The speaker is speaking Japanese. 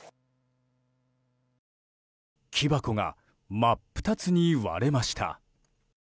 木箱が真っ二つに割れました。